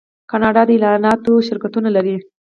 کاناډا د اعلاناتو شرکتونه لري.